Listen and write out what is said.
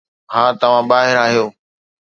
ها، توهان ٻاهر آهيو